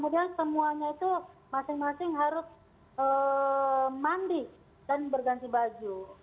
dan kemudian semuanya itu masing masing harus